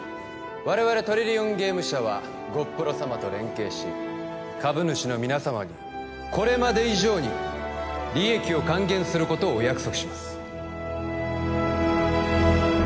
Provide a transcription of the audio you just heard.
我々トリリオンゲーム社はゴップロ様と連携し株主の皆様にこれまで以上に利益を還元することをお約束します